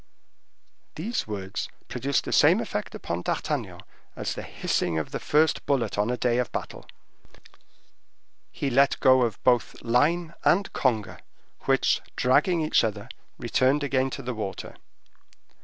These words produced the same effect upon D'Artagnan as the hissing of the first bullet on a day of battle; he let go of both line and conger, which, dragging each other, returned again to the water.